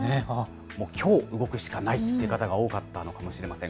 きょう動くしかないという方が多かったのかもしれません。